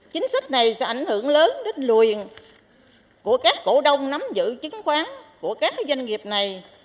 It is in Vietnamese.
chính sách này sẽ ảnh hưởng lớn đến luồn của các cổ đông nắm giữ chứng khoán của các doanh nghiệp này